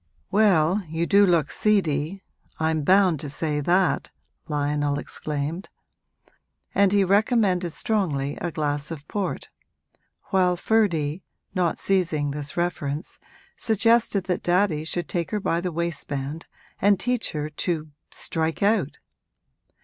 'Well, you do look seedy I'm bound to say that!' Lionel exclaimed; and he recommended strongly a glass of port, while Ferdy, not seizing this reference, suggested that daddy should take her by the waistband and teach her to 'strike out.'